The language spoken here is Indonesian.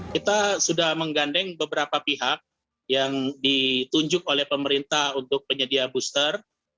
kita sudah menggandeng beberapa pihak yang ditunjuk oleh pemerintah untuk penyedia booster